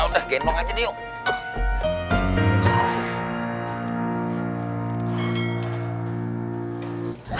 udah genong aja nih